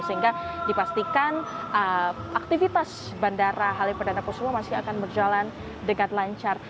sehingga dipastikan aktivitas bandara halim perdana kusuma masih akan berjalan dengan lancar